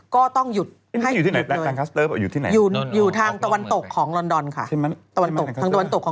ก็ต้องหยุดอยู่ทางตะวันตกของลอนดอนค่ะ